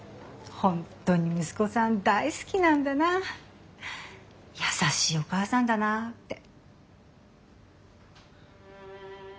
本当に息子さん大好きなんだな優しいお母さんだなって。